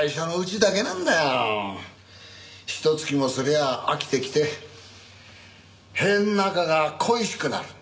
ひと月もすりゃあ飽きてきて塀の中が恋しくなる。